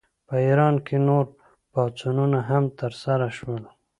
په ایران کې نور پاڅونونه هم ترسره شول.